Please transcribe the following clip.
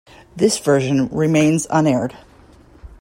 This version remains unaired.